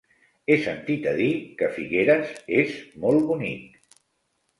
He sentit a dir que Figueres és molt bonic.